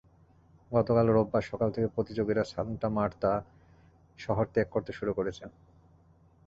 গতকাল রোববার সকাল থেকে প্রতিযোগীরা সান্টা মার্তা শহর ত্যাগ করতে শুরু করেছে।